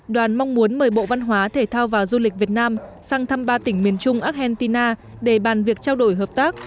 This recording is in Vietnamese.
đoàn mong muốn mời bộ văn hóa thể thao và du lịch việt nam sang thăm ba tỉnh miền trung argentina để bàn việc trao đổi hợp tác